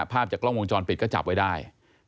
ภาพจากกล้องวงจรปิดก็จับไว้ได้